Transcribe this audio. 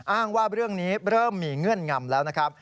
อ้างว่าเรื่องนี้เริ่มมีเงื่อนงำแล้วนะครับ